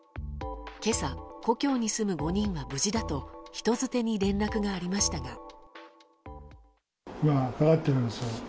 今朝、故郷に住む５人が無事だと人づてに連絡がありましたが。